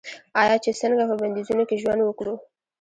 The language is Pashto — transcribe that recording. آیا چې څنګه په بندیزونو کې ژوند وکړو؟